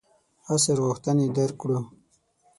عصر غوښتنې درک کړو.